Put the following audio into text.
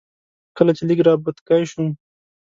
کله چې لږ را بوتکی شوم.